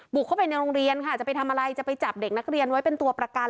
เข้าไปในโรงเรียนค่ะจะไปทำอะไรจะไปจับเด็กนักเรียนไว้เป็นตัวประกัน